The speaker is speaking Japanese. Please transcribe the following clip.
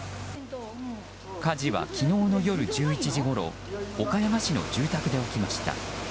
火事は昨日の夜１１時ごろ岡山市の住宅で起きました。